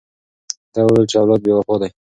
ده وویل چې اولاد بې وفا دی.